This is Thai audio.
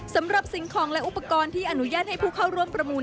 สำหรับสิ่งของและอุปกรณ์ที่อนุญาตให้ผู้เข้าร่วมประมูล